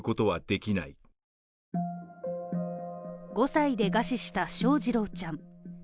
５歳で餓死した翔士郎ちゃん。